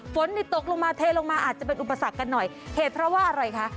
ฝนตกลงมาเทลงมาอาจจะเป็นอุปสรรคกันหน่อยเหตุเพราะว่าอะไรคะ